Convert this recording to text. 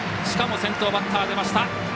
しかも先頭バッター出ました。